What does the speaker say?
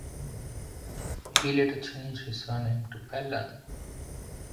He later changed his surname to "Pellan".